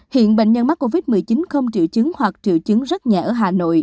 hiện bệnh nhân mắc covid một mươi chín không triệu chứng hoặc triệu chứng rất nhẹ ở hà nội